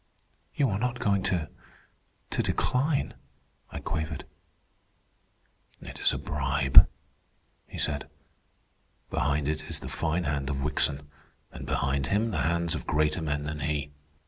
"You are not going to ... to decline?" I quavered. "It is a bribe," he said. "Behind it is the fine hand of Wickson, and behind him the hands of greater men than he.